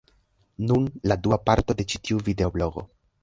Nun, la dua parto de ĉi tiu videoblogo: